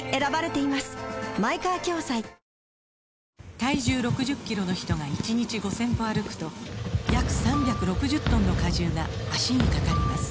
体重６０キロの人が１日５０００歩歩くと約３６０トンの荷重が脚にかかります